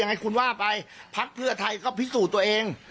ยังไงคุณว่าไปพักเพื่อไทยก็พิสูจน์ตัวเอง